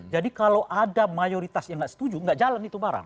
jadi kalau ada mayoritas yang tidak setuju tidak jalan itu barang